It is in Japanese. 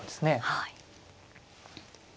はい。